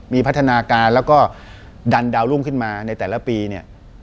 มีพัฒนาการแล้วก็ดันดาวรุ่งขึ้นมาในแต่ละปีเนี่ย